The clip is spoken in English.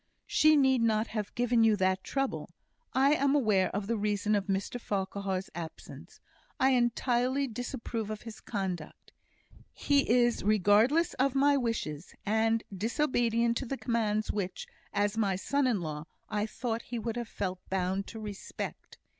"She need not have given you that trouble. I am aware of the reason of Mr Farquhar's absence. I entirely disapprove of his conduct. He is regardless of my wishes; and disobedient to the commands which, as my son in law, I thought he would have felt bound to respect.